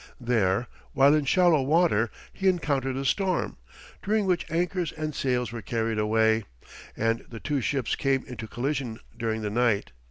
There, while in shallow water, he encountered a storm, during which anchors and sails were carried away, and the two ships came into collision during the night.